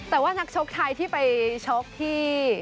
แต่ว่านักชกไทยที่ไปชกที่